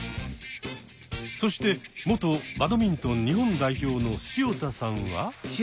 そして元バドミントン日本代表の潮田さんは。